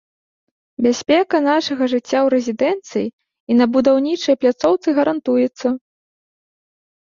Бяспека нашага жыцця ў рэзідэнцыі і на будаўнічай пляцоўцы гарантуецца.